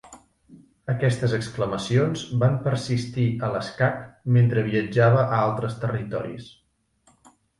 Aquestes exclamacions van persistir a l'escac mentre viatjava a altres territoris.